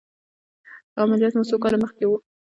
عملیات مو څو کاله مخکې و؟